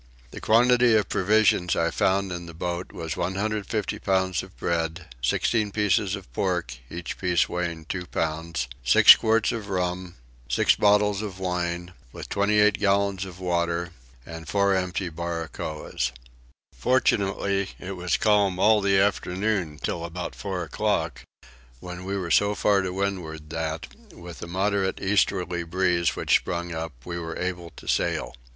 The quantity of provisions I found in the boat was 150 pounds of bread, 16 pieces of pork, each piece weighing 2 pounds, 6 quarts of rum, 6 bottles of wine, with 28 gallons of water, and four empty barrecoes. Fortunately it was calm all the afternoon till about four o'clock, when we were so far to windward that, with a moderate easterly breeze which sprung up, we were able to sail.